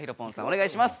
おねがいします！